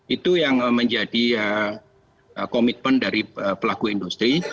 itu yang menjadi komitmen dari pelaku industri